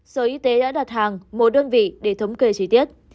sở y tế đã đặt hàng một đơn vị để thống kê chi tiết